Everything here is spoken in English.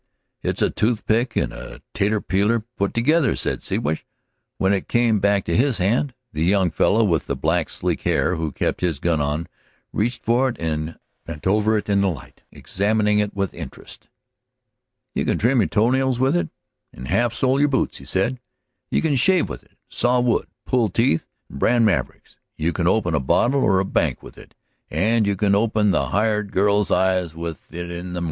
"It's a toothpick and a tater peeler put together," said Siwash, when it came back to his hand. The young fellow with the black, sleek hair, who kept his gun on, reached for it, bent over it in the light, examining it with interest. "You can trim your toenails with it and half sole your boots," he said. "You can shave with it and saw wood, pull teeth and brand mavericks; you can open a bottle or a bank with it, and you can open the hired gal's eyes with it in the mornin'.